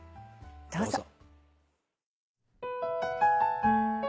どうぞ。